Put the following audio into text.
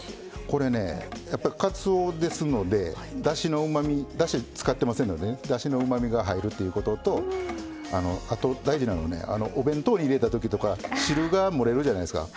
これね、かつおですのでだしのうまみだしを使っていませんのでだしのうまみが入るということとあと、大事なのはお弁当に入れたときとか汁が漏れるじゃないですか。